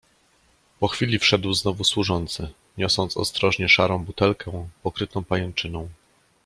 "Po chwili wszedł znowu służący, niosąc ostrożnie szarą butelkę, pokrytą pajęczyną."